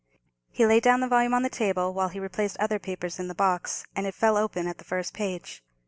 He laid down the volume on the table while he replaced other papers in the box, and it fell open at the first page.